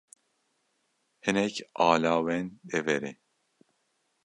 Hinek alawên deverê